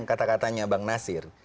kata katanya bang naksir